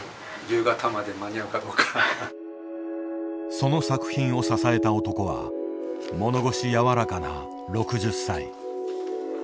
その作品を支えた男は物腰柔らかな６０歳。